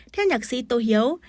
theo nhạc sĩ tô hiếu